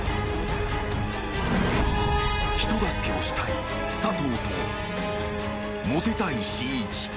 ［人助けをしたい佐藤とモテたいしんいち。